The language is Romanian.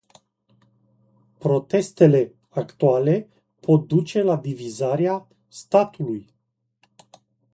Protestele actuale pot duce la divizarea statului.